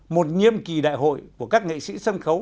một nhiệm kỳ đại hội của các nghệ sĩ sân khấu